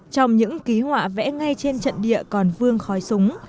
trong những ký họa vẽ ngay trên trận địa còn vương khói súng